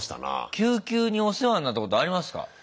救急にお世話になったことありますか？